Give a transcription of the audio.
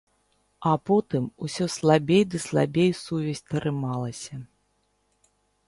А потым усё слабей ды слабей сувязь трымалася.